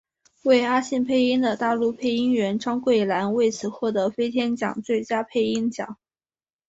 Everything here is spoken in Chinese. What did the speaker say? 为阿信配音的大陆配音员张桂兰为此获得飞天奖最佳配音奖。